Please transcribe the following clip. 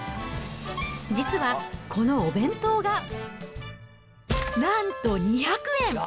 実は、このお弁当がなんと２００円。